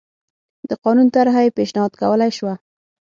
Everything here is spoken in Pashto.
د قانون طرحه یې پېشنهاد کولای شوه